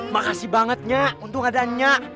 makasih banget nge untung ada nge